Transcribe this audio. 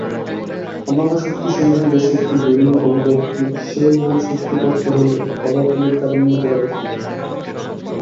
অন্যান্য শক্তিসমূহ যে-শক্তির বিভিন্ন অভিব্যক্তি, সেই মূল শক্তিপ্রাপ্ত হইলে পদার্থবিদ্যার উন্নতির অবসান ঘটে।